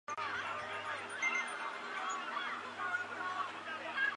克鲁库姆市是瑞典中部耶姆特兰省的一个自治市。